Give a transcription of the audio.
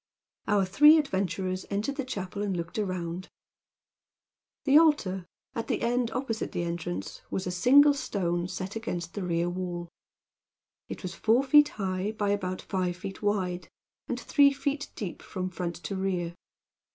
Our three adventurers entered the chapel and looked around. The altar, at the end opposite the entrance, was a single stone set against the rear wall. It was four feet high by about five feet wide, and three feet deep from front to rear.